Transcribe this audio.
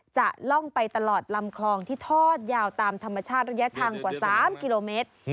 จะล่องไปตลอดลำคลองที่ทอดยาวตามธรรมชาติระยะทางกว่า๓กิโลเมตร